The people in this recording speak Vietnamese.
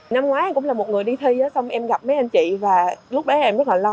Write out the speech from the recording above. năm ngoái cũng là một người đi thi xong em gặp mấy anh chị và lúc bé em rất là lo